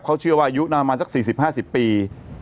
เขาเชื่อว่าอายุนานมาจาก๔๐๕๐ปี